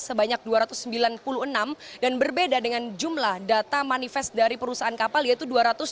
sebanyak dua ratus sembilan puluh enam dan berbeda dengan jumlah data manifest dari perusahaan kapal yaitu dua ratus sembilan puluh